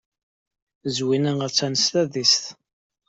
Zwina attan s tadist.